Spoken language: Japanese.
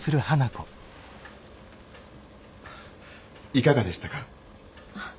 いかがでしたか？